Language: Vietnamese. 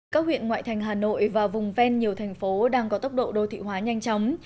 các huyện ngoại thành hà nội và vùng ven nhiều thành phố đang có tốc độ đô thị hóa nhanh chóng